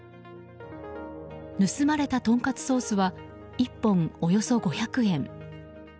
盗まれたとんかつソースは１本およそ５００円。